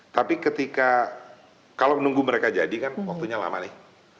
tapi ketika kalau menunggu mereka jadi kan waktunya lama nih